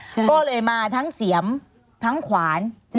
ก็เลยมาทั้งเสียมทั้งขวาน